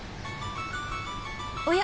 おや？